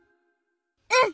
うん！